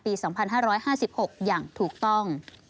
ปี๒๕๕๖อย่างถูกต้อง